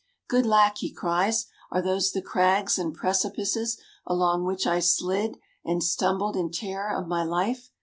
Good lack! he cries, are those the crags and precipices along which I slid and stumbled in terror of my life?